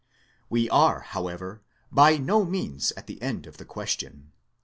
We are, however, by no means at the end of the question.